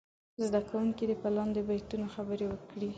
زده کوونکي دې په لاندې بیتونو خبرې وکړي.